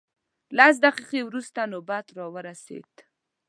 لس دقیقې وروسته نوبت راورسېد.